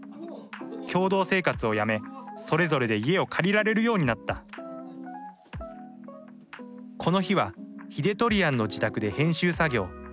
共同生活をやめそれぞれで家を借りられるようになったこの日はヒデトリアンの自宅で編集作業。